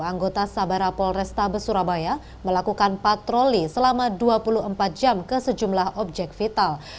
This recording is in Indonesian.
anggota sabara polrestabes surabaya melakukan patroli selama dua puluh empat jam ke sejumlah objek vital